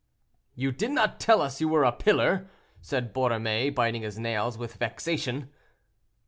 "You did not tell us you were a pillar," said Borromée, biting his nails with vexation.